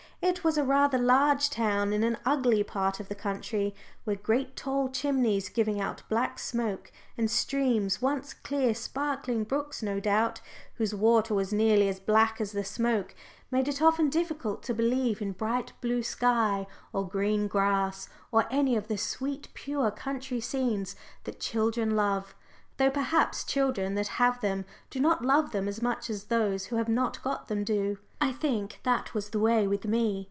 It was a rather large town in an ugly part of the country, where great tall chimneys giving out black smoke, and streams once clear sparkling brooks, no doubt whose water was nearly as black as the smoke, made it often difficult to believe in bright blue sky or green grass, or any of the sweet pure country scenes that children love, though perhaps children that have them do not love them as much as those who have not got them do. I think that was the way with me.